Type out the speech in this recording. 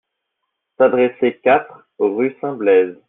S'adresser quatre, rue St-Blaise.